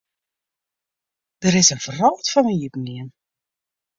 Der is in wrâld foar my iepengien.